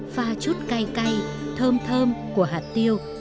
pha chút cay cay thơm thơm của hạt tiêu